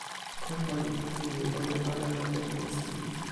kon olin tu ni o jo ala jo e nimi sin?